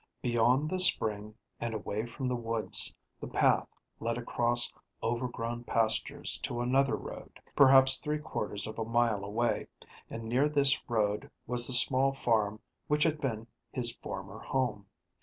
Beyond the spring and away from the woods the path led across overgrown pastures to another road, perhaps three quarters of a mile away, and near this road was the small farm which had been his former home.